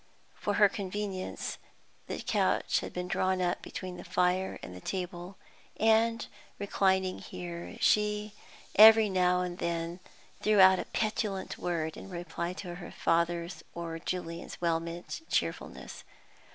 For her convenience, the couch had been drawn up between the fire and the table; and, reclining here, she every now and then threw out a petulant word in reply to her father's or Julian's well meant cheerfulness.